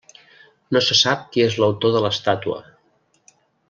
No se sap qui és l'autor de l'estàtua.